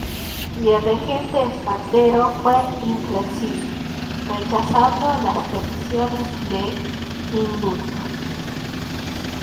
Y el regente Espartero fue inflexible, rechazando las peticiones de indulto.